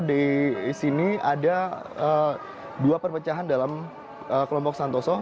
di sini ada dua perpecahan dalam kelompok santoso